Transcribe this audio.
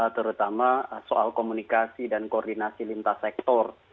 terutama soal komunikasi dan koordinasi lintas sektor